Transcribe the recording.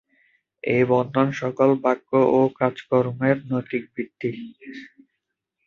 এই বন্ধন সকল বাক্য ও কাজকর্মের নৈতিক ভিত্তি।